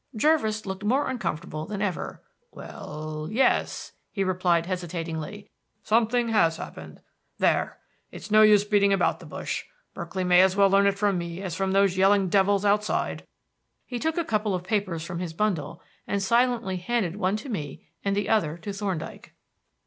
Jervis looked more uncomfortable than ever. "Well yes," he replied hesitatingly, "something has happened there! It's no use beating about the bush; Berkeley may as well learn it from me as from those yelling devils outside." He took a couple of papers from his bundle and silently handed one to me and the other to Thorndyke.